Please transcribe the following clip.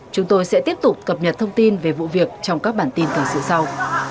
chúng tôi sẽ tiếp tục cập nhật thông tin về vụ việc trong các bản tin tháng xưa sau